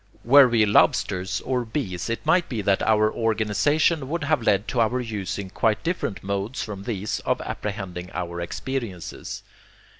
Were we lobsters, or bees, it might be that our organization would have led to our using quite different modes from these of apprehending our experiences.